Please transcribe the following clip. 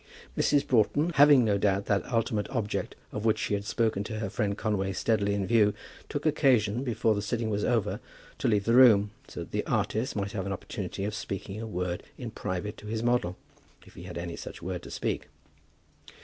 Mrs. Broughton, having no doubt that ultimate object of which she had spoken to her friend Conway steadily in view, took occasion before the sitting was over to leave the room, so that the artist might have an opportunity of speaking a word in private to his model, if he had any such word to speak.